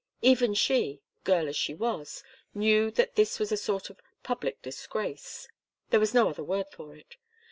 Even she, girl as she was, knew that this was a sort of public disgrace. There was no other word for it.